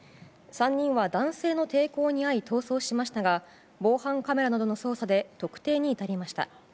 ３人は、男性の抵抗にあい逃走しましたが防犯カメラなどの捜査で特定に至りました。